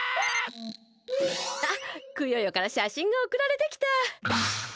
あっクヨヨからしゃしんがおくられてきた。